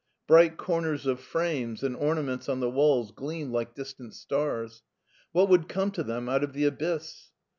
Bright comers of frames and orna ments on the walls gleamed like distant stars. What would come to them out of the abyss?